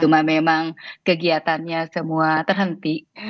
cuma memang kegiatannya semua terhenti